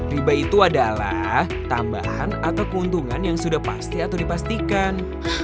riba itu adalah tambahan atau keuntungan yang sudah pasti atau dipastikan